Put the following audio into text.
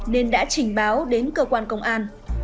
nên đã trình báo đến cơ quan công an